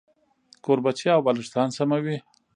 کوربچې او بالښتان سموي.